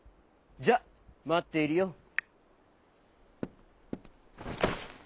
じゃあまっているよ」。